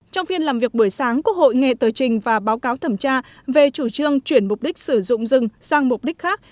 trong phiên làm việc buổi sáng quốc hội nghe tờ trình và báo cáo thẩm tra về chủ trương chuyển mục đích sử dụng rừng sang mục đích khác